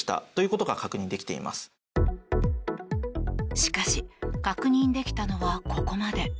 しかし、確認できたのはここまで。